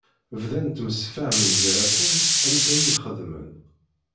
Bdan ttemsefhamen gar-asen amek ad iyi-xedmen.